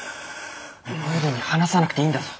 無理に話さなくていいんだぞ。